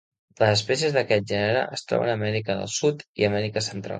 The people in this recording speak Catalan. Les espècies d'aquest gènere es troben a Amèrica del Sud i Amèrica Central.